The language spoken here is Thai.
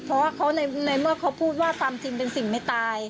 เพราะว่าเขาในเมื่อเขาพูดว่าความจริงเป็นสิ่งไม่ตาย